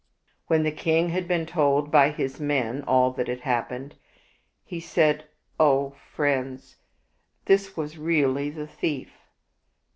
When the king had been told by his men all that had happened, he said, " O friends, this was really the thief.